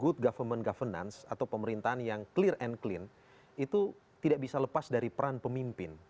good government governance atau pemerintahan yang clear and clean itu tidak bisa lepas dari peran pemimpin